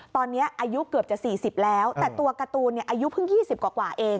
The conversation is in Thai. ตอนนี้อายุเกือบจะ๔๐แล้วแต่ตัวการ์ตูนอายุเพิ่ง๒๐กว่าเอง